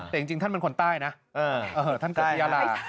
แต่จริงท่านเป็นคนใต้นะเออท่านเกิดยาลา